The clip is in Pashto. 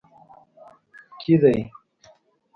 کې دی